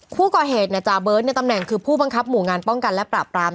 ผู้ก่อเหตุจาเบิร์ตในตำแหน่งคือผู้บังคับหมู่งานป้องกันและปราบราม